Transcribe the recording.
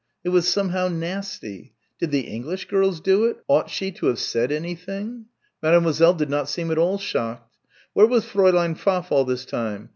It was, somehow, nasty. Did the English girls do it? Ought she to have said anything? Mademoiselle did not seem at all shocked. Where was Fräulein Pfaff all this time?